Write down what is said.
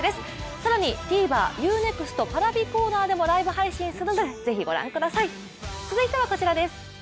更にＴＶｅｒ、Ｕ−ＮＥＸＴＰａｒａｖｉコーナーでもライブ配信するので、ぜひご覧ください。